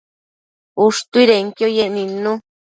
ushtuidenquio yec nidnu